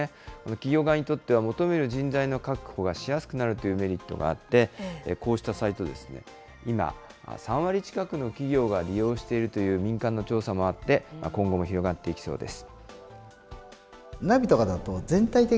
企業側にとっては、求める人材の確保がしやすくなるというメリットがあって、こうしたサイト、今、３割近くの企業が利用しているという民間の調査もあって、今後も広がっていきそうです。